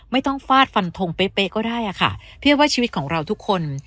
ไม่ต้องฟาดฟันทงเป๊ะก็ได้อะค่ะเพราะว่าชีวิตของเราทุกคน